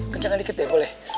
kencengkan dikit ya boleh